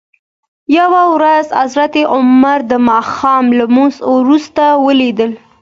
یوه ورځ حضرت عمر دماښام لمانځه وروسته ولید ل.